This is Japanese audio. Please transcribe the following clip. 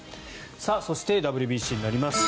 そして、ＷＢＣになります。